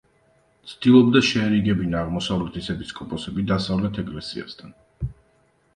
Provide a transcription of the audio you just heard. ცდილობდა შეერიგებინა აღმოსავლეთის ეპისკოპოსები დასავლეთ ეკლესიასთან.